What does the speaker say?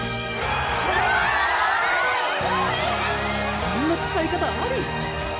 そんな使い方あり⁉